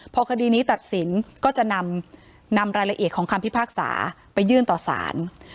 พอคดีนี้ตัดสินก็จะนำรายละเอียดของคำพิพากษาไปยื่นต่อสาร